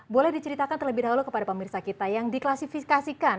boleh diceritakan terlebih dahulu kepada pemirsa kita yang diklasifikasikan